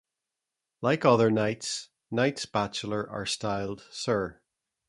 Like other knights, Knights Bachelor are styled "Sir".